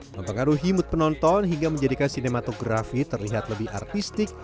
mempengaruhi mood penonton hingga menjadikan sinematografi terlihat lebih artistik